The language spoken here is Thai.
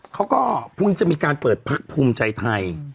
เขาก็เพิ่งจะมีการเปิดพักภูมิใจไทย